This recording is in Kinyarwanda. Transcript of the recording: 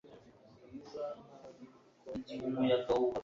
Bwiza ntazi ko uri hano .